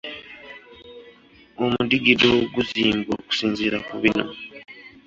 Omudigido guzimbwa okusinziira ku bino.